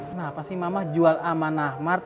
kenapa sih mama jual aman ahmar